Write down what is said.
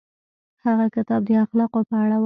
هغه کتاب د اخلاقو په اړه و.